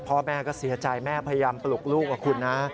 พ่อแม่ก็เสียใจแม่พยายามปลุกลูกกับคุณนะ